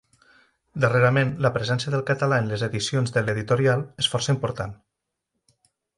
Darrerament, la presència del català en les edicions de l'Editorial és força important.